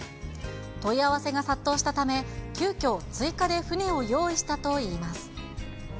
問い合わせが殺到したため、急きょ、追加で船を用意したといいます。